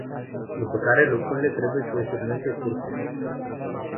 După care lucrurile trebuie să își urmeze cursul.